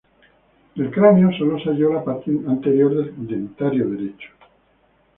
Del cráneo sólo se halló la parte anterior del dentario derecho.